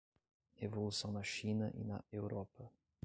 Revolução na China e na Europa